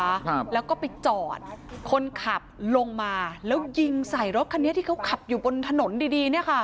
ครับแล้วก็ไปจอดคนขับลงมาแล้วยิงใส่รถคันนี้ที่เขาขับอยู่บนถนนดีดีเนี้ยค่ะ